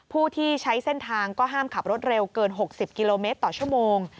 ผู้ที่ใช้เส้นทางก็ห้ามขับรถเร็วเกิน๖๐กิโลเมตรต่อชั่วโมง